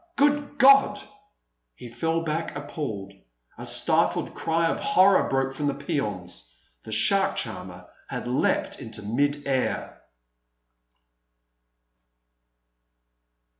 Good God!" He fell back appalled. A stifled cry of horror broke from the peons. The shark charmer had leapt into mid air.